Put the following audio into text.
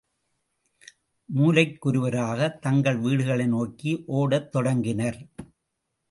மூலைக்கொருவராக தங்கள் வீடுகளை நோக்கி ஓடத் தொடங்கினர்.